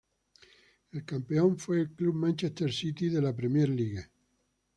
El campeón fue el club Manchester City de la Premier League.